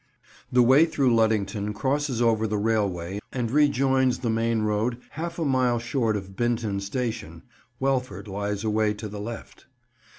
The way through Luddington crosses over the railway and rejoins the main road half a mile short of Binton station. Welford lies away to the left.